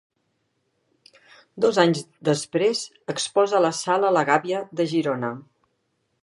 Dos anys després exposa a la Sala La Gàbia de Girona.